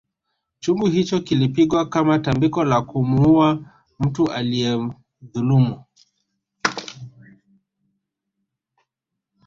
Chungu hicho kilipigwa kama tambiko la kumuuwa mtu aliyedhulumu